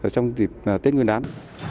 trong dịp tết nguyên đán